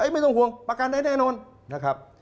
ไม่ต้องห่วงประกันได้แน่นอนนะครับ